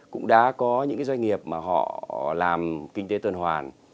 cũng đã có những cái doanh nghiệp mà họ làm kinh tế tư đoàn hoàn